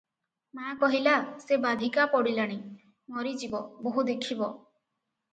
ମା କହିଲା, ସେ ବାଧିକା ପଡିଲାଣି, ମରିଯିବ- ବୋହୂ ଦେଖିବ ।